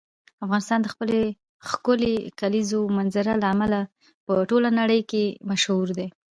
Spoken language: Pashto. افغانستان د خپلې ښکلې کلیزو منظره له امله په ټوله نړۍ کې مشهور دی.